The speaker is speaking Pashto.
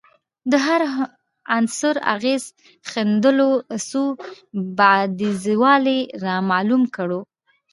د هر عنصر اغېز ښندلو څو بعدیزوالی رامعلوم کړو